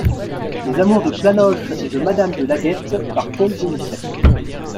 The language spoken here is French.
Les Amours de Planoche et de Madame de Laguette, par Paul de Musset.